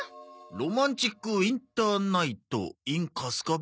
「ロマンチック・ウィンター・ナイトｉｎカスカベ」？